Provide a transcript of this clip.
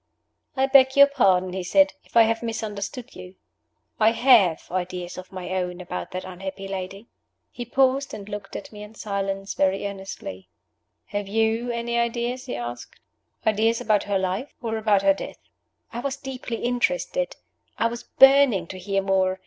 "I beg your pardon," he said, "if I have misunderstood you. I have ideas of my own about that unhappy lady." He paused and looked at me in silence very earnestly. "Have you any ideas?" he asked. "Ideas about her life? or about her death?" I was deeply interested; I was burning to hear more.